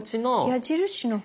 矢印の方？